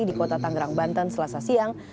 di kota tanggerang banten selasa siang